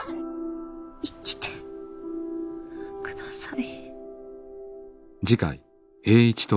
生きてください。